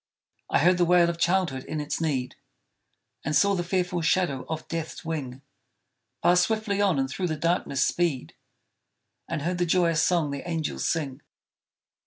I heard the wail of childhood in its need, And saw the fearful shadow of Death's wing Pass swiftly on and through the darkness speed, And heard the joyous song the angels sing!